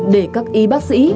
để các y bác sĩ